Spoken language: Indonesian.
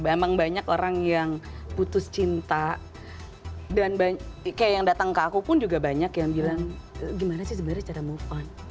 emang banyak orang yang putus cinta dan kayak yang datang ke aku pun juga banyak yang bilang gimana sih sebenarnya cara move on